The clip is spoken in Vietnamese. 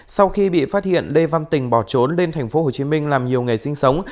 sau khi bị phát hiện lê văn tình bỏ trốn lên thành phố hồ chí minh làm nhiều ngày sinh sống